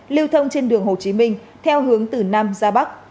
lưu thông trên đường hồ chí minh theo hướng từ nam ra bắc